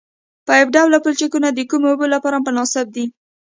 پایپ ډوله پلچکونه د کمو اوبو لپاره مناسب دي